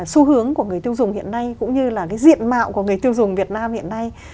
xu hướng của người tiêu dùng hiện nay cũng như là cái diện mạo của người tiêu dùng việt nam hiện nay